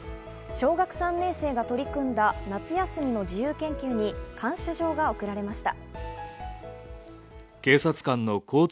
小学３年生が取り組んだ夏休みの自由研究に感謝状が贈られました。